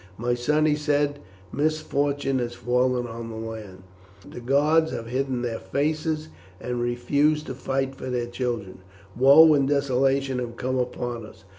"My son," he said, "misfortune has fallen on the land. The gods have hidden their faces and refused to fight for their children. Woe and desolation have come upon us.